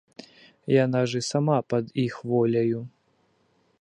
Яна ж і сама пад іх воляю.